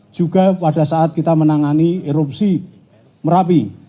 juga pada saat kita menangani erupsi merapi